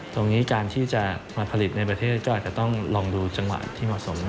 ตรงนี้การที่จะมาผลิตในประเทศก็อาจจะต้องลองดูจังหวะที่เหมาะสม